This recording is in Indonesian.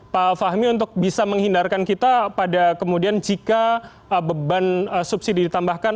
pak fahmi untuk bisa menghindarkan kita pada kemudian jika beban subsidi ditambahkan